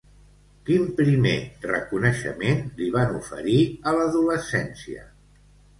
Quin primer reconeixement li van oferir a l'adolescència?